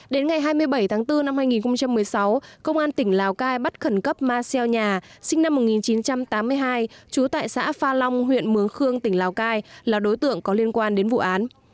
đến ngày hai mươi bảy tháng bốn năm hai nghìn một mươi sáu công an tỉnh lào cai bắt khẩn cấp ma xeo nhà sinh năm một nghìn chín trăm tám mươi hai trú tại xã pha long huyện mường khương tỉnh lào cai là đối tượng có liên quan đến vụ án